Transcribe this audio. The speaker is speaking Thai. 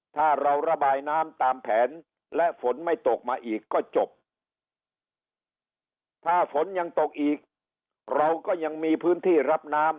ถ้าเราระบายน้ำตามแผนและฝนไม่ตกมาอีกก็จบถ้าฝนยังตกอีกเราก็ยังมีพื้นที่รับน้ำ